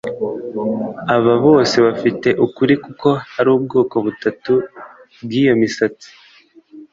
aba bose bafite ukuri kuko hari ubwoko butatu bw’iyo misatsi